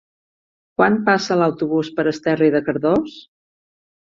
Quan passa l'autobús per Esterri de Cardós?